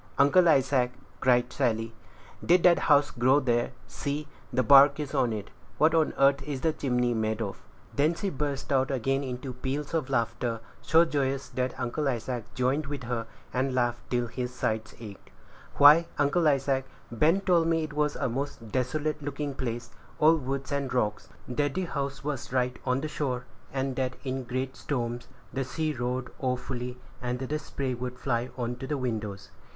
"Uncle Isaac," cried Sally, "did that house grow there? See, the bark is on it. What on earth is the chimney made of?" Then she burst out again into peals of laughter, so joyous that Uncle Isaac joined with her, and laughed till his sides ached. "Why, Uncle Isaac, Ben told me it was a most desolate looking place, all woods and rocks; that the house was right on the shore, and that in great storms the sea roared awfully, and the spray would fly on to the windows.